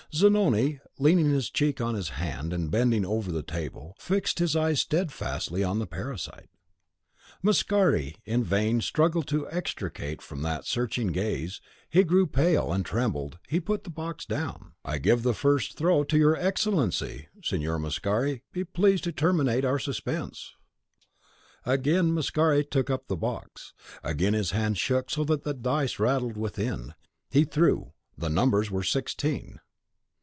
Zanoni, leaning his cheek on his hand, and bending over the table, fixed his eyes steadfastly on the parasite; Mascari in vain struggled to extricate from that searching gaze; he grew pale, and trembled, he put down the box. "I give the first throw to your Excellency. Signor Mascari, be pleased to terminate our suspense." Again Mascari took up the box; again his hand shook so that the dice rattled within. He threw; the numbers were sixteen.